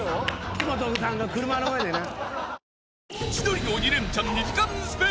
木本さんが車の上でな。